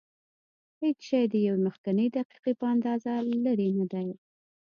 هېڅ شی د یوې مخکنۍ دقیقې په اندازه لرې نه دی.